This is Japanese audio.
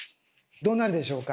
どうなるでしょうか？